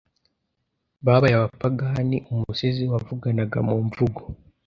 babaye abapagani umusizi wavuganaga mumvugo